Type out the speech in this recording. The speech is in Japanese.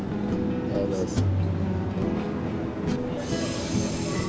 ありがとうございます。